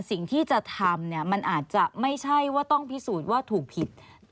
สิ่งที่จะทำเนี่ยมันอาจจะไม่ใช่ว่าต้องพิสูจน์ว่าถูกผิด